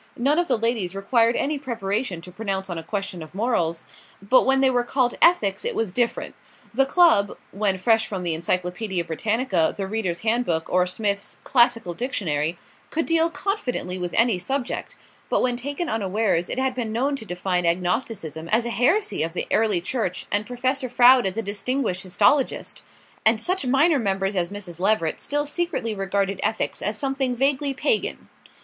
None of the ladies required any preparation to pronounce on a question of morals; but when they were called ethics it was different. The club, when fresh from the "Encyclopaedia Britannica," the "Reader's Handbook" or Smith's "Classical Dictionary," could deal confidently with any subject; but when taken unawares it had been known to define agnosticism as a heresy of the Early Church and Professor Froude as a distinguished histologist; and such minor members as Mrs. Leveret still secretly regarded ethics as something vaguely pagan.